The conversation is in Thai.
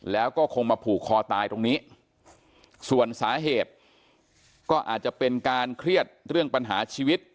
แล้วก็คงมาผูกคอตายตรงนี้ส่วนสาเหตุก็อาจจะเป็นการเครียดเรื่องปัญหาชีวิต